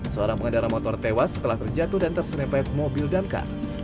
seorang pengendara motor tewas setelah terjatuh dan terserempet mobil damkar